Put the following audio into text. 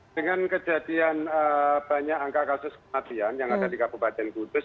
dengan kejadian banyak angka kasus kematian yang ada di kabupaten kudus